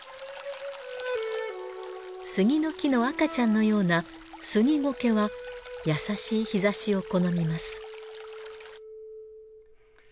杉の木の赤ちゃんのようなスギゴケは優しい日差しを好みます。